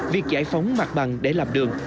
việc giải phóng mặt bằng để làm đường